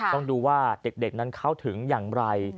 ต้องดูว่าเด็กนั้นเข้าถึงอย่างไร